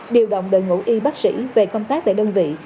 điều động đội ngũ y bác sĩ về công tác tại đơn vị